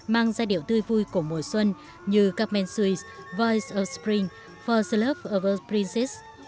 mang giai điệu tươi vui của mùa xuân như carmen suiz voice of spring first love of a princess